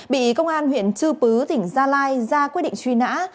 bị công an huyện chư pứ tỉnh gia lai ra quyết định truy nã